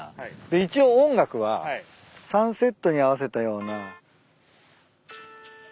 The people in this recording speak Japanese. で一応音楽はサンセットに合わせたような。